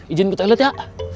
ijinin ku teliat ya